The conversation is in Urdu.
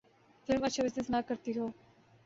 فلم اچھا بزنس نہ کرتی ہو۔